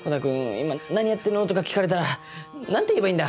今何やってんの？」とか聞かれたら何て言えばいいんだ？